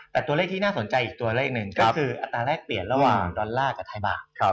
แต่ตัวเลขที่น่าสนใจอีกตัวเลขหนึ่งก็คืออัตราแรกเปลี่ยนระหว่างดอลลาร์กับไทยบาท